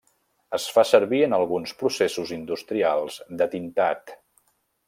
Es fa servir en alguns processos industrials de tintat.